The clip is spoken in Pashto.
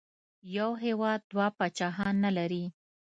یو هېواد دوه پاچاهان نه لري.